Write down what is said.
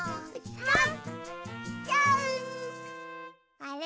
あれ？